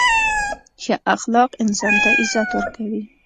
• ښه اخلاق انسان ته عزت ورکوي.